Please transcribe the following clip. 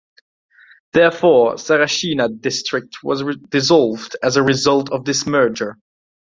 Therefore, Sarashina District was dissolved as a result of this merger.